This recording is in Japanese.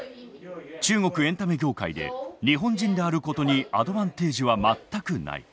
中国エンタメ業界で日本人であることにアドバンテージは全くない。